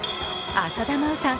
浅田真央さん